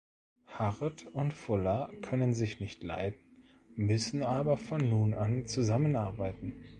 Hart und Fuller können sich nicht leiden, müssen aber von nun an zusammenarbeiten.